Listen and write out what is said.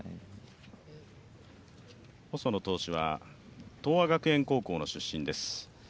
細野投手は、東和学園高校の出身です。